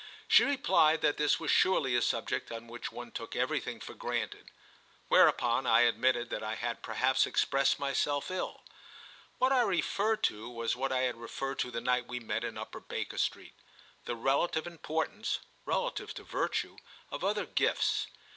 She replied that this was surely a subject on which one took everything for granted; whereupon I admitted that I had perhaps expressed myself ill. What I referred to was what I had referred to the night we met in Upper Baker Street—the relative importance (relative to virtue) of other gifts.